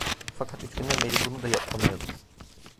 Fakat üç günden beri bunu da yapamıyordu.